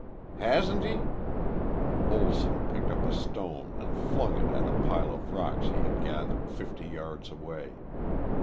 "Hasn't he?" Olson picked up a stone and flung it at a pile of rocks he had gathered fifty yards away.